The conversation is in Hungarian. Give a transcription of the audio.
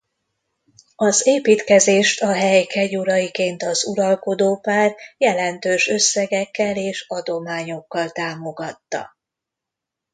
Az építkezést a hely kegyuraiként az uralkodópár jelentős összegekkel és adományokkal támogatta.